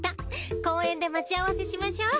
公園で待ち合わせしましょう。